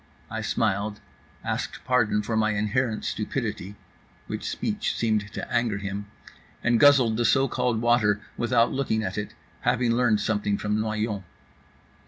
I smiled, asked pardon for my inherent stupidity (which speech seemed to anger him) and guzzled the so called water without looking at it, having learned something from Noyon.